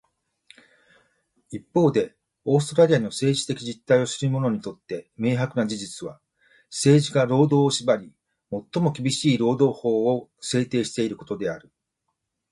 一方で、オーストラリアの政治的実態を知る者にとって明白な事実は、政治が労働を縛り、最も厳しい労働法を制定していることである。